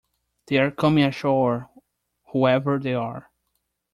They are coming ashore, whoever they are.